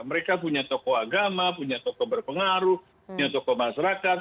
mereka punya tokoh agama punya tokoh berpengaruh punya tokoh masyarakat